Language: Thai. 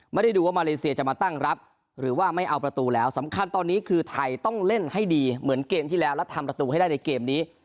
ไม่ได้ดูว่ามาเลเซียจะมาตั้งรับหรือว่าไม่เอาประตูแล้วสำคัญตอนนี้คือไทยต้องเล่นให้ดีเหมือนเกมที่แล้วและทำประตูให้ได้ในเกมนี้